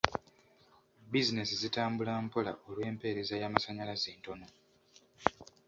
Bizinensi zitambula mpola olw'empeereza y'amasannyalaze entono.